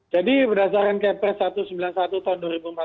jadi berdasarkan kprs satu ratus sembilan puluh satu tahun dua ribu empat belas